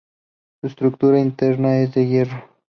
Su estructura interna es de hierro.